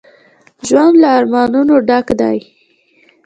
ژوند له ارمانونو ډک دی